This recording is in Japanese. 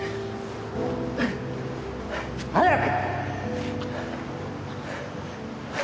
早く！